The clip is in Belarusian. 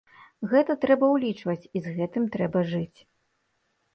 Гэта трэба ўлічваць і з гэтым трэба жыць.